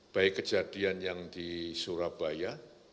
baik kejadian yang di surabaya